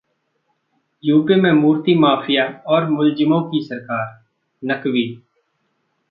UP में मूर्ति, mafia और मुल्जिमों की सरकार: नकवी